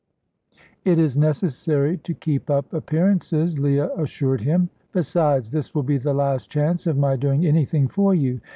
"It is necessary to keep up appearances," Leah assured him. "Besides, this will be the last chance of my doing anything for you.